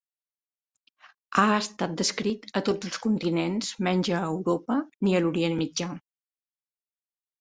Ha estat descrit a tots els continents menys a Europa ni a l'Orient mitjà.